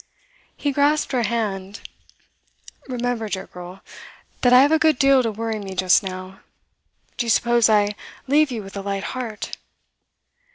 He grasped her hand. 'Remember, dear girl, that I have a good deal to worry me just now. Do you suppose I leave you with a light heart?